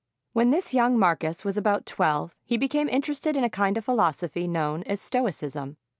When this young Marcus was about twelve, he became interested in a kind of philosophy known as stoicism.